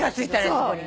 そこに。